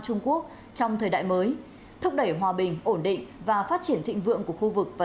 trung quốc trong thời đại mới thúc đẩy hòa bình ổn định và phát triển thịnh vượng của khu vực và